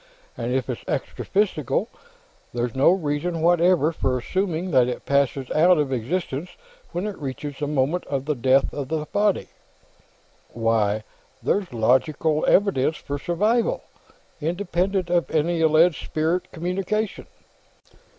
And if it's extraphysical, there's no reason whatever for assuming that it passes out of existence when it reaches the moment of the death of the body. Why, there's logical evidence for survival, independent of any alleged spirit communication!